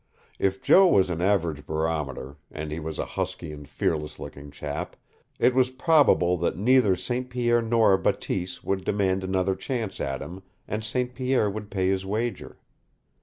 If Joe was an average barometer, and he was a husky and fearless looking chap, it was probable that neither St. Pierre nor Bateese would demand another chance at him, and St. Pierre would pay his wager.